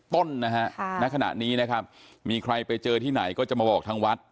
ต้นนะฮะณขณะนี้นะครับมีใครไปเจอที่ไหนก็จะมาบอกทางวัด